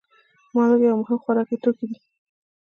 مالګه یو مهم خوراکي توکی دی.